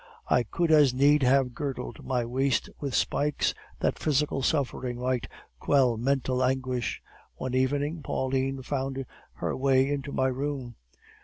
I could at need have girdled my waist with spikes, that physical suffering might quell mental anguish. "One evening Pauline found her way into my room.